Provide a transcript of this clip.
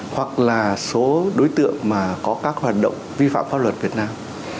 hoặc là số đối tượng mà có các hoạt động vi phạm pháp luật việt nam